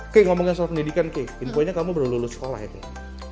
kei ngomongin soal pendidikan kei info nya kamu baru lulus sekolah ya kei